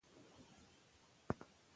افغانستان کې ښتې د خلکو د خوښې وړ ځای دی.